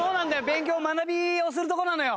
勉強学びをするとこなのよ。